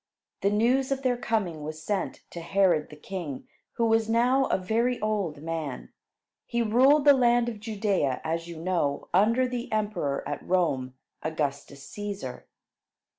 The news of their coming was sent to Herod the king, who was now a very old man. He ruled the land of Judea, as you know, under the emperor at Rome, Augustus Cæsar.